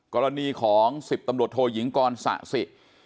กรณีของ๑๐ตำรวจโทยิงกรสะสิ